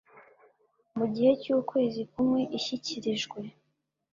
mu gihe cy ukwezi kumwe ishyikirijwe